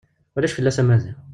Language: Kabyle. Ulac fell-as a Maziɣ.